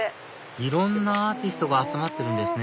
いろんなアーティストが集まってるんですね